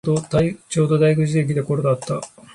ちょうど退屈してきた頃だった